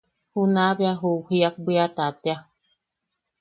Junaʼa bea ju Jiak Bwiata tea.